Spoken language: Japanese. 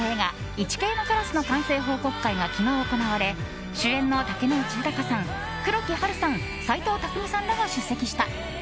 「イチケイのカラス」の完成報告会が昨日行われ主演の竹野内豊さん、黒木華さん斎藤工さんらが出席した。